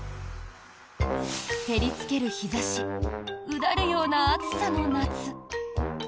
照りつける日差しうだるような暑さの夏。